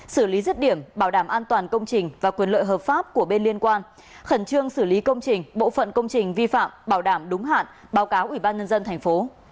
xử lý rứt điểm bảo đảm an toàn công trình và quyền lợi hợp pháp của bên liên quan khẩn trương xử lý công trình bộ phận công trình vi phạm bảo đảm đúng hạn báo cáo ủy ban nhân dân thành phố